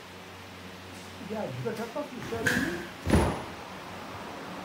Yeɛjeb-ak aṭas usaru-nni, naɣ?